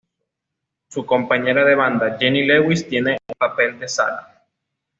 Su compañera de banda Jenny Lewis tiene el papel de Sara.